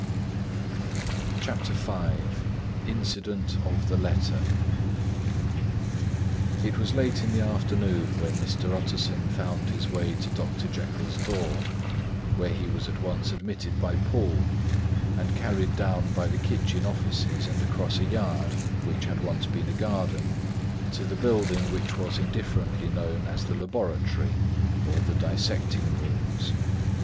INCIDENT OF THE LETTER It was late in the afternoon, when Mr. Utterson found his way to Dr. Jekyll's door, where he was at once admitted by Poole, and carried down by the kitchen offices and across a yard which had once been a garden, to the building which was indifferently known as the laboratory or dissecting rooms.